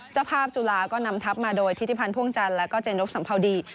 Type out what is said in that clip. เจ้าภาพจุฬาก็นำทัพมาโดยทิศิพันธ์พ่วงจันทร์แล้วก็เจนรบสัมภาวดี